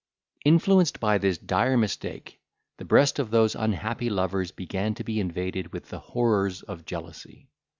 Influenced by this dire mistake, the breast of those unhappy lovers began to be invaded with the horrors of jealousy.